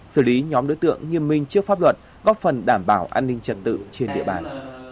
xử lý nhóm đối tượng nghiêm minh trước pháp luật góp phần đảm bảo an ninh trật tự trên địa bàn